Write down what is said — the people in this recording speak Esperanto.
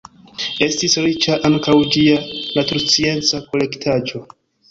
Estis riĉa ankaŭ ĝia naturscienca kolektaĵo.